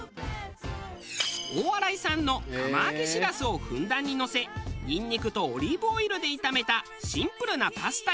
大洗産の釜揚げしらすをふんだんにのせニンニクとオリーブオイルで炒めたシンプルなパスタや。